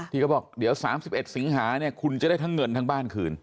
พี่ก็บอกเดี๋ยว๓๑สิงหาคุณจะได้ทั้งเงินทั้งบ้านคืน